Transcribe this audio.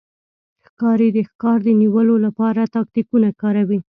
ښکاري د ښکار د نیولو لپاره تاکتیکونه کاروي.